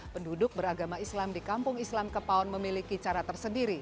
penduduk beragama islam di kampung islam kepaon memiliki cara tersendiri